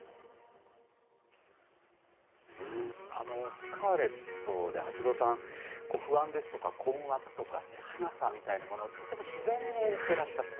スカーレットで八郎さん、不安ですとか困惑とか、切なさみたいなもの、とても自然に演じてらっしゃった。